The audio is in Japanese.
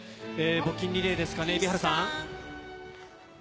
募金リレーですね、蛯原さん。